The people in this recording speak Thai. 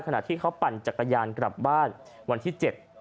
ขณะที่เขาปั่นจักรยานกลับบ้านวันที่๗